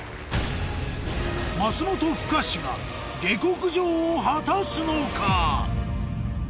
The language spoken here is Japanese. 松本深志が下克上を果たすのか？